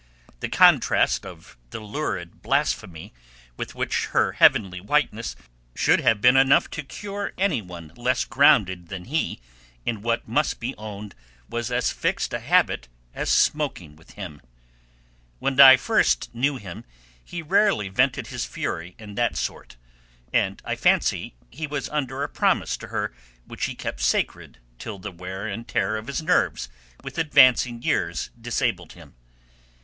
The contrast of the lurid blasphemy with her heavenly whiteness should have been enough to cure any one less grounded than he in what must be owned was as fixed a habit as smoking with him. When I first knew him he rarely vented his fury in that sort, and I fancy he was under a promise to her which he kept sacred till the wear and tear of his nerves with advancing years disabled him.